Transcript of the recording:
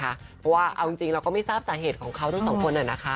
เพราะว่าเอาจริงเราก็ไม่ทราบสาเหตุของเขาทั้งสองคน